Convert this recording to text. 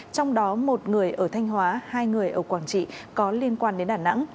trong đó một người ở thanh hóa hai người ở quảng trị có liên quan đến đà nẵng